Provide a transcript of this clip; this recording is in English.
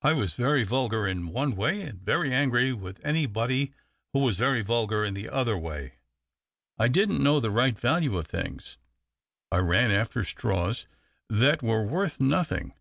I was very vulgar in one way, and very angry with anybody who was very vulgar in the other way. I didn't know the right value of things. I ran after straws that were worth nothing.